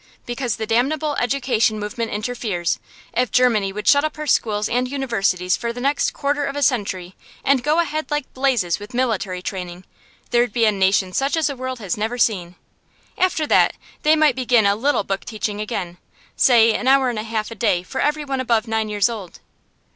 Because the damnable education movement interferes. If Germany would shut up her schools and universities for the next quarter of a century and go ahead like blazes with military training there'd be a nation such as the world has never seen. After that, they might begin a little book teaching again say an hour and a half a day for everyone above nine years old.